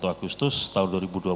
satu agustus tahun dua ribu dua puluh